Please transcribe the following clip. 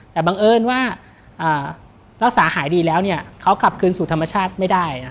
แต่บังเอิญว่ารักษาหายดีแล้วเขากลับคืนสู่ธรรมชาติไม่ได้